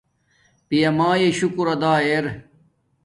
پیامیے شکر ادا ارا